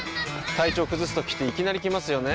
体調崩すときっていきなり来ますよね。